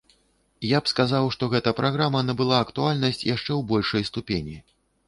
Я б сказаў, што гэта праграма набыла актуальнасць яшчэ ў большай ступені.